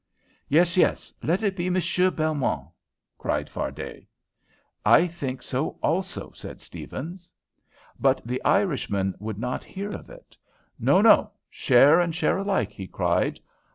"Yes, yes, let it be Monsieur Belmont," cried Fardet. "I think so also," said Stephens. But the Irishman would not hear of it. "No, no, share and share alike," he cried.